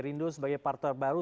tprindo sebagai partai baru